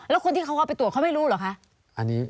แล้วคนที่เขาเอาไปตรวจเขาไม่รู้เหรอคะ